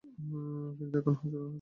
কিন্তু এখন হাজার ছাড়িয়ে গেছে!